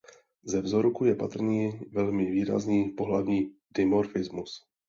Ze vzorků je patrný velmi výrazný pohlavní dimorfismus.